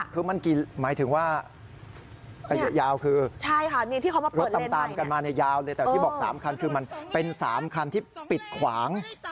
คือมันหมายถึงว่ายาวคือใช่ค่ะรถตามกันมาเนี่ยยาวเลยแต่ที่บอก๓คันคือมันเป็น๓คันที่ปิดขวาง